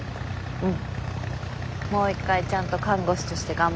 うん！